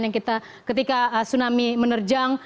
yang kita ketika tsunami menerjang